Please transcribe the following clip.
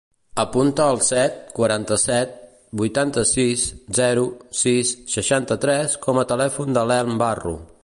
Apunta el set, quaranta-set, vuitanta-sis, zero, sis, seixanta-tres com a telèfon de l'Elm Barro.